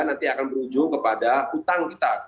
nanti akan berujung kepada utang kita